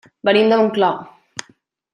Venim de Montclar.